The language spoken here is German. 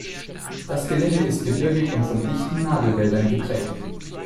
Das Gelände ist gebirgig und von dichten Nadelwäldern geprägt.